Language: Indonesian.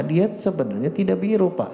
dia sebenarnya tidak biru pak